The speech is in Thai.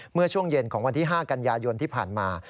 เมื่อช่วงเย็นของวันที่๕กันยายนที่ผ่านมา